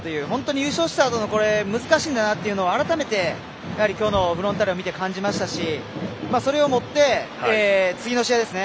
優勝したあとは本当に難しいんだなというのを改めてきょうのフロンターレを見て感じましたし、それをもって次の試合ですね。